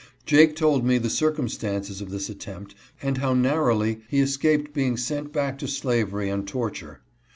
Jake told me the circumstances of this attempt and how narrowly he escaped being sent back to slavery and torture.